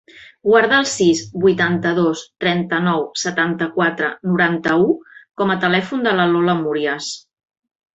Guarda el sis, vuitanta-dos, trenta-nou, setanta-quatre, noranta-u com a telèfon de la Lola Murias.